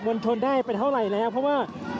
คุณภูริพัฒน์ครับ